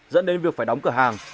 dẫn đến việc phải đóng cửa hàng